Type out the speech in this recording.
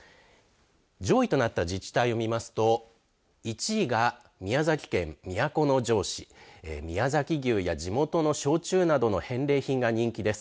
上位となった自治体を見ますと、１位が宮崎県都城市宮崎牛や地元の焼酎などの返礼品が人気です。